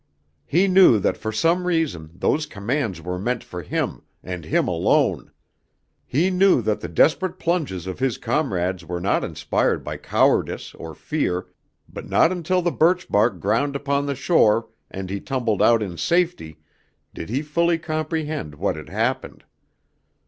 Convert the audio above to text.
He knew that for some reason those commands were meant for him, and him alone; he knew that the desperate plunges of his comrades were not inspired by cowardice or fear, but not until the birch bark ground upon the shore and he tumbled out in safety did he fully comprehend what had happened.